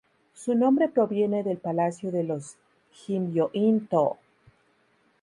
Su nombre proviene del palacio de los Jimyōin-tō.